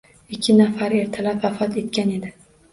Ikki nafari ertalab vafot etgan edi